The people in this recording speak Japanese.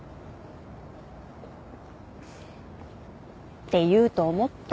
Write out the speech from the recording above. って言うと思った。